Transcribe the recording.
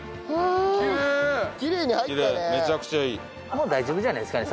もう大丈夫じゃないですかね？